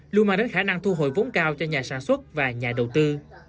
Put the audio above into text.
luôn mang đến khả năng thu hồi vốn cao cho nhà sản xuất và nhà đầu tư